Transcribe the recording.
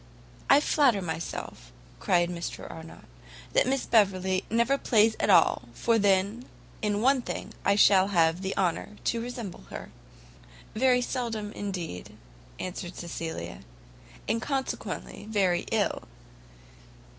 "I flatter myself," cried Mr Arnott, "that Miss Beverley never plays at all, for then, in one thing, I shall have the honour to resemble her." "Very seldom, indeed," answered Cecilia, "and consequently very ill."